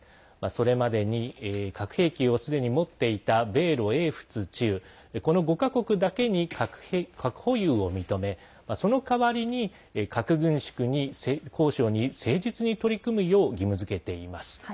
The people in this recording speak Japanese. それまでに核兵器をすでに持っていた米ロ英仏中この５か国だけに核保有を認めその代わりに核軍縮交渉に誠実に取り組むよう義務づけています。